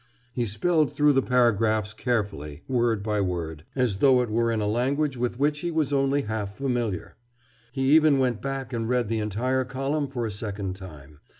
He spelled through the paragraphs carefully, word by word, as though it were in a language with which he was only half familiar. He even went back and read the entire column for a second time.